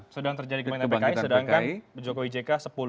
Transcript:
sedang terjadi kebangkitan pki sedangkan jokowi jk sepuluh